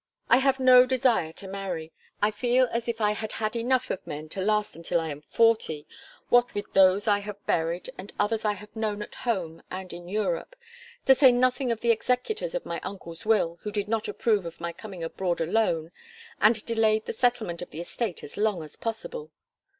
"I have no desire to marry. I feel as if I had had enough of men to last until I am forty what with those I have buried, and others I have known at home and in Europe to say nothing of the executors of my uncle's will, who did not approve of my coming abroad alone and delayed the settlement of the estate as long as possible.